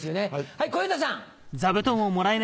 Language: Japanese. はい小遊三さん。